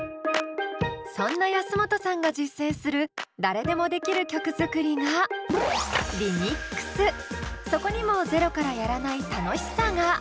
そんな安本さんが実践する誰でもできる曲作りがそこにもゼロからやらない楽しさが。